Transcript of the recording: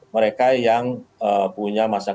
mereka yang punya masa kedua